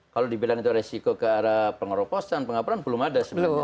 kalau dibilang itu resiko ke arah pengeroposan pengaparan belum ada sebenarnya